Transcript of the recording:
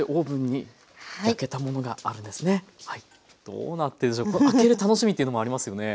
どうなってるんでしょう開ける楽しみっていうのもありますよね。